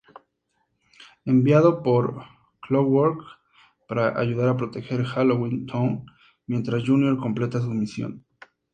Enviado por Clockwork, para ayudar a proteger Halloween Town, mientras Junior completa su misión.